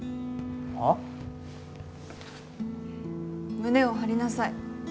胸を張りなさい。